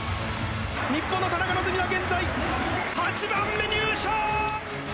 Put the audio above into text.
日本の田中希実は現在８番目入賞！